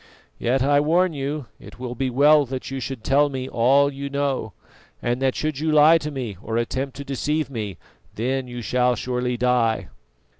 Yet I warn you it will be well that you should tell me all you know, and that should you lie to me or attempt to deceive me, then you shall surely die."